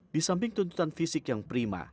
di samping tuntutan fisik yang prima